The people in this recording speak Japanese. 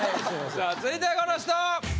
続いてはこの人。